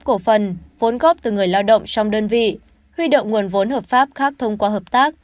cổ phần vốn góp từ người lao động trong đơn vị huy động nguồn vốn hợp pháp khác thông qua hợp tác